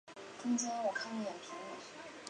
后来又担任左转骑都尉。